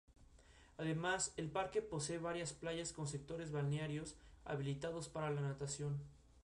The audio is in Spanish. Finalmente la pintó en Valencia.